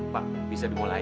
pak bisa dimulai